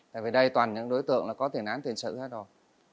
tại vì đây toàn những đối tượng có thể nán tuyển sự hết rồi